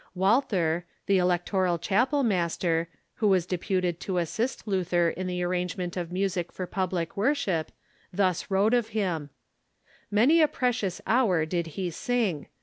Walther, the electoral chapel master, who was deputed to assist Luther in the arrangement of music for public worship, thus wrote of him: "Many a precious hour did he sing.